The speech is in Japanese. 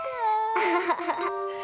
アハハハ。